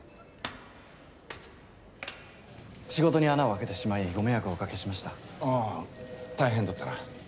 仕事に穴を空けてしまいご迷惑をおかけしあぁ大変だったな。